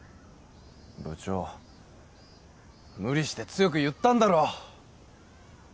部長無理して強く言ったんだろ！